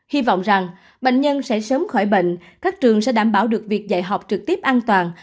hy vọng rằng bệnh nhân sẽ sớm khỏi bệnh các trường sẽ đảm bảo được việc dạy học trực tiếp an toàn